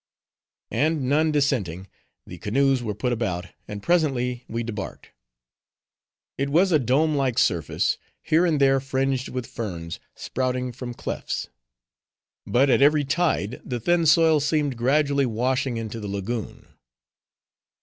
And none dissenting, the canoes were put about, and presently we debarked. It was a dome like surface, here and there fringed with ferns, sprouting from clefts. But at every tide the thin soil seemed gradually washing into the lagoon.